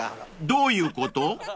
［どういうこと？］